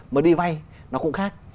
mới đi vay nó cũng khác